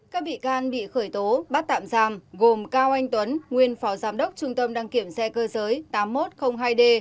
các bị can bị khởi tố bắt tạm giam gồm cao anh tuấn nguyên phó giám đốc trung tâm đăng kiểm xe cơ giới tám nghìn một trăm linh hai d